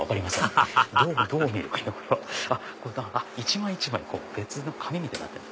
ハハハハ一枚一枚別な紙みたいになってる。